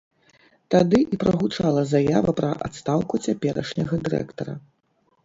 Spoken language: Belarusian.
Тады і прагучала заява пра адстаўку цяперашняга дырэктара.